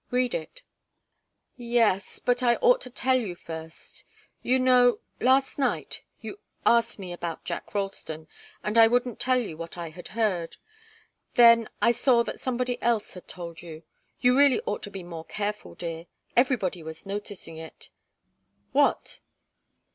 "Read it." "Yes but I ought to tell you first. You know, last night you asked me about Jack Ralston, and I wouldn't tell you what I had heard. Then I saw that somebody else had told you you really ought to be more careful, dear! Everybody was noticing it." "What?"